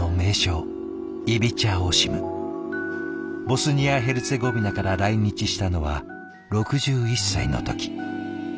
ボスニア・ヘルツェゴビナから来日したのは６１歳の時。